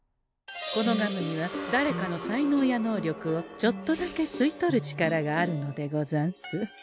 このガムにはだれかの才能や能力をちょっとだけ吸い取る力があるのでござんす。